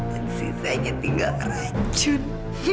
dan sisanya tinggal racun